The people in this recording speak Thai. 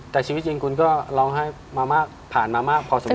แต่ชีวิตจริงคุณก็ร้องไห้มามากผ่านมามากพอสมค